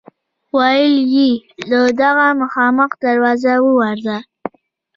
ویل یې له دغه مخامخ دروازه ووځه.